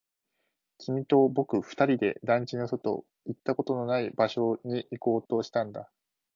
君と僕二人で団地の外、行ったことのない場所に行こうとしたんだ